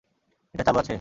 এটা চালু আছে?